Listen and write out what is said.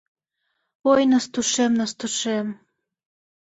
Ой, Настушем, Настушем